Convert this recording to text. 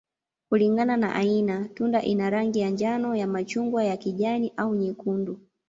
Kulingana na aina, tunda ina rangi ya njano, ya machungwa, ya kijani, au nyekundu.